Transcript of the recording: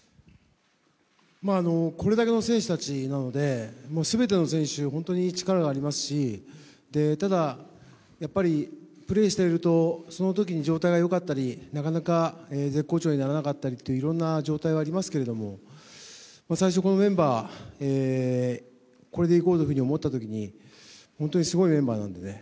これだけの選手たちなので、全ての選手、本当に力がありますしただ、やっぱりプレーしているとそのときに状態がよかったりなかなか絶好調にならなかったり、いろんな状態がありますけれども、最初このメンバーこれでいこうと思ったときに本当にすごいメンバーなんでね